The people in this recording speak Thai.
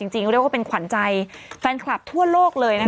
เรียกว่าเป็นขวัญใจแฟนคลับทั่วโลกเลยนะคะ